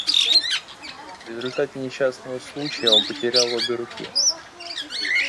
В результате несчастного случая он потерял обе руки.